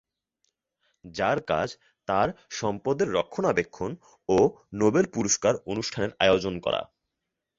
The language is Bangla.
যার কাজ তার সম্পদের রক্ষণাবেক্ষণ ও নোবেল পুরস্কার অনুষ্ঠানের আয়োজন করা।